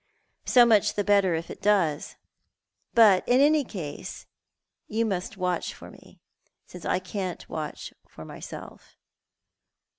So much the better if it does; but in any case you must watch for me, since I can't watch for myself.